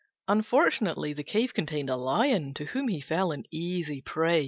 Unfortunately the cave contained a Lion, to whom he fell an easy prey.